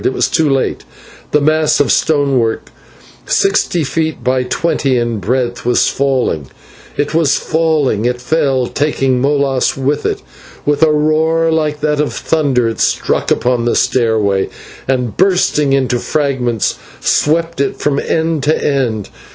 It was too late; the mass of stonework, sixty feet long by twenty in breadth, was falling. It was falling it fell, taking Molas with it. With a roar like that of thunder it struck upon the stairway, and, bursting into fragments, swept it from end to end.